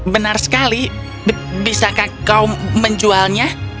benar sekali bisakah kau menjualnya